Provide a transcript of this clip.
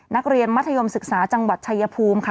นักเรียนมัธยมศึกษาจังหวัดชายภูมิค่ะ